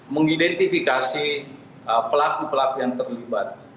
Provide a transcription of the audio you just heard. mengidentifikasi pelaku pelaku yang terlibat